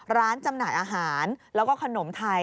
จำหน่ายอาหารแล้วก็ขนมไทย